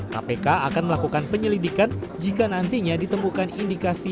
kpk akan melakukan penyelidikan jika nantinya ditemukan indikasi